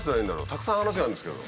たくさん話があるんですけど。